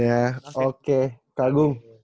amin ya oke kak gung